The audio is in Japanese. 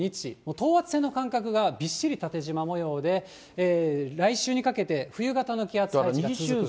等圧線の間隔がびっしり縦じま模様で、来週にかけて、冬型の気圧配置が続く。